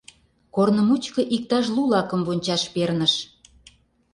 Корно мучко иктаж лу лакым вончаш перныш.